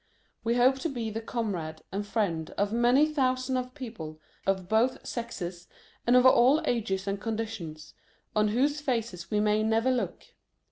We hope to be the comrade and friend of many thousands of people, of both sexes, and of all ages and conditions, on whose faces we may never look.